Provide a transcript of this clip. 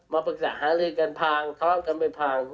มาประกาศหาเรื่องการพังการพัง